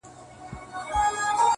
پرون مي دومره درته وژړله.